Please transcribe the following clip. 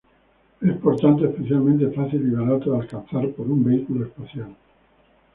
Es, por tanto, especialmente fácil y barato de alcanzar por un vehículo espacial.